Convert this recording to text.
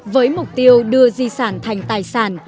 với mục tiêu đưa di sản thành tài sản